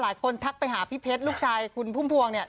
หลายคนทักไปหาพี่เพชอยื้อลูกชายคุณพุ่มพวง